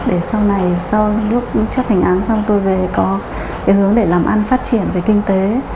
để sau này sau lúc chấp hành án xong tôi về có hướng để làm ăn phát triển về kinh tế